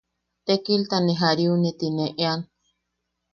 Tekilta ne jariune ti ne ean.